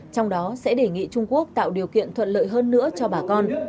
trong đó sẽ đề nghị trung quốc tạo điều kiện thuận lợi hơn nữa cho bà con